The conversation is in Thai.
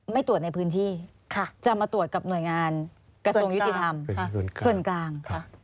ไม่ตรวจในพื้นที่จะมาตรวจกับหน่วยงานกระทรวงยุติธรรมส่วนกลางค่ะ